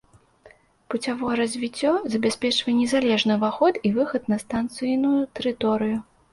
Пуцявое развіццё забяспечвае незалежны ўваход і выхад на станцыйную тэрыторыю.